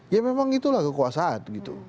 ya memang itulah kekuasaan gitu